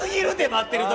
待ってる時。